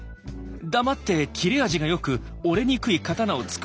黙って切れ味がよく折れにくい刀を作りやがれ！